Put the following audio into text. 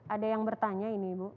ada yang bertanya ini ibu